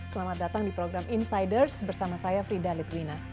selamat datang di program insiders bersama saya frida litwina